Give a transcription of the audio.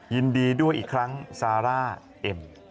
ยินดีด้วยอีกครั้งซาร่าเอ็ม